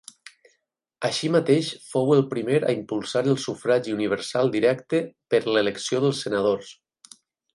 Així mateix fou el primer a impulsar el sufragi universal directe per l'elecció dels senadors.